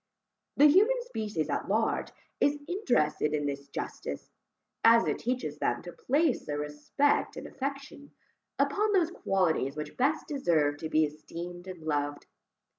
The human species at large is interested in this justice, as it teaches them to place their respect and affection, upon those qualities which best deserve to be esteemed and loved.